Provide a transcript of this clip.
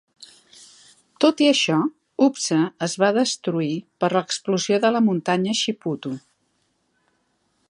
Tot i això, Upsa es va destruir per l'explosió de la Muntanya Shiputu.